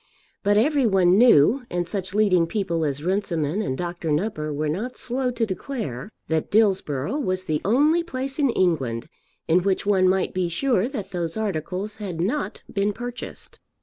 But every one knew, and such leading people as Runciman and Dr. Nupper were not slow to declare, that Dillsborough was the only place in England in which one might be sure that those articles had not been purchased.